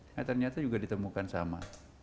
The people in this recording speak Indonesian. nah ternyata juga ditemukan sama